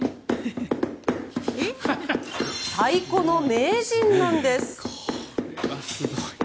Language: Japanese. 太鼓の名人なんです。